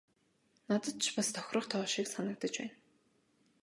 Надад ч бас тохирох тоо шиг санагдаж байна.